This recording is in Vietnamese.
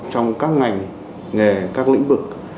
trong các ngành nghề các lĩnh vực